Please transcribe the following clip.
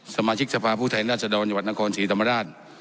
สมาชิกสภาพผู้แทนราชดรจังหวัดนครศรีธรรมราช